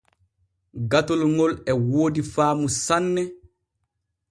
Gatol ŋol e woodi faamu sanne.